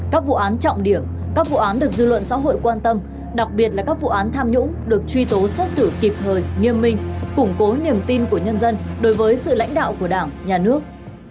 các vụ án trọng điểm các vụ án được dư luận xã hội quan tâm đặc biệt là các vụ án tham nhũng được truy tố xét xử kịp thời nghiêm minh củng cố niềm tin của nhân dân đối với sự lãnh đạo của đảng nhà nước